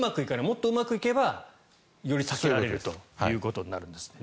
もっとうまくいけばより避けられるということになるんですね。